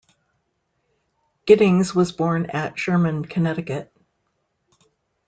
Giddings was born at Sherman, Connecticut.